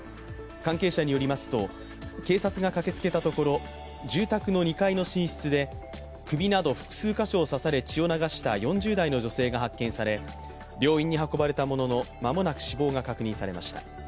関係者によりますと警察が駆けつけたところ住宅の２階の寝室で首など複数箇所を刺され血を流した４０代の女性が発見され病院に運ばれたものの間もなく死亡が確認されました。